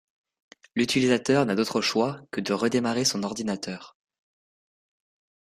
L'utilisateur n'a d'autre choix que de redémarrer son ordinateur.